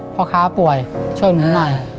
พ่อค้าป่วยช่วยหนูหน่อย